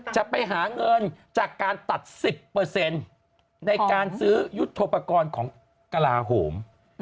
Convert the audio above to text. จะไปหาเงินจากการตัด๑๐ในการซื้อยุทธโปรกรณ์ของกระลาโหม